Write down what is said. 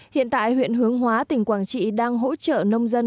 hiện tại huyện hướng hóa tỉnh quảng trị đang hỗ trợ nông dân